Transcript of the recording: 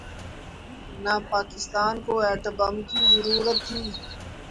نہ پاکستان کو atom bomb کی ضرورت تھی۔